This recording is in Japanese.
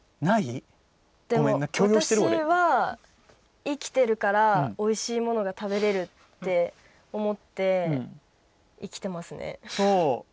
私は生きてるからおいしいものが食べれるって思って、生きていますね。